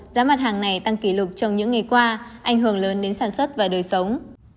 giá mặt hàng này tăng kỷ lục trong những ngày qua ảnh hưởng lớn đến sản xuất và đời sống